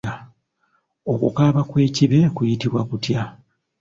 Okukaaba kw'ekibe kuyitibwa kutya?